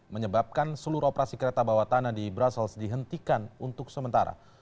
menyebabkan seluruh operasi kereta bawah tanah di brussels dihentikan untuk sementara